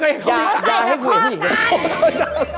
เคยเคยเคยเคยเคยเคยเคยอย่าให้กูเห็นอีก